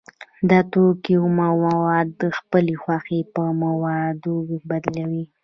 دا توکی اومه مواد د خپلې خوښې په موادو بدلوي